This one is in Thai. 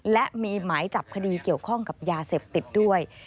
และมีหมายจับคดีเกี่ยวข้องกับยาเสพติดด้วย